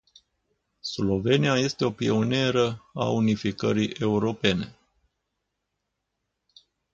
Slovenia este o pionieră a unificării europene.